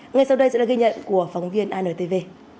ngay sau đây sẽ là ghi nhận của phóng viên antv